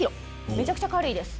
めちゃくちゃ軽いです。